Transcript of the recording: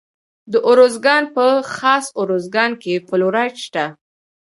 د ارزګان په خاص ارزګان کې فلورایټ شته.